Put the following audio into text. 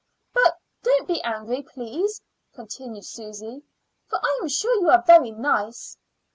"But don't be angry, please," continued Susy, "for I am sure you are very nice."